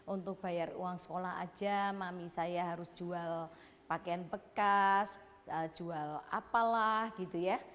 untuk bayar uang sekolah aja mami saya harus jual pakaian bekas jual apalah gitu ya